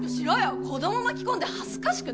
子供巻き込んで恥ずかしくないのかよ？